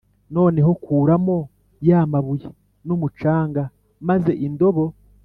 Noneho kuramo ya mabuye n umucanga maze indobo